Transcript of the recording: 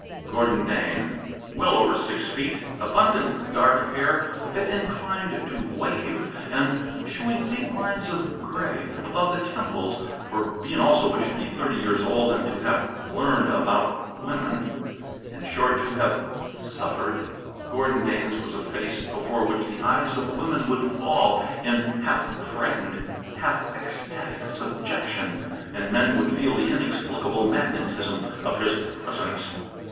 "Gordon Dane," well over six feet, abundant dark hair, a bit inclined to "wave" and showing faint lines of gray "above the temples"; for Bean also wished to be thirty years old and to have learned about women; in short, to have suffered. Gordon Dane's was a face before which the eyes of women would fall in half frightened, half ecstatic subjection, and men would feel the inexplicable magnetism of his presence.